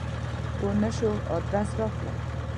پوه نه شوم ادرس راکړه !